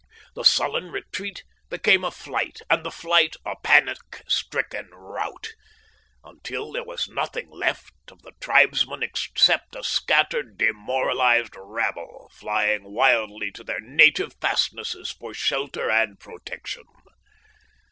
The sullen retreat became a flight, and the flight a panic stricken rout, until there was nothing left of the tribesmen except a scattered, demoralised rabble flying wildly to their native fastnesses for shelter and protection.